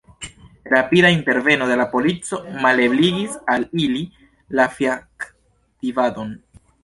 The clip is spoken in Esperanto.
Rapida interveno de la polico malebligis al ili la fiaktivadon.